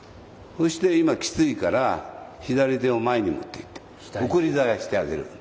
そして今きついから左手を前に持っていって送り鞘してあげる。